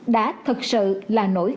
đã thật sự là nỗi